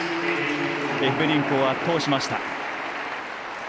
エフベリンクを圧倒しました。